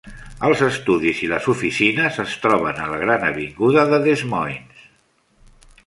Els estudis i les oficines es troben a la gran avinguda de Des Moines.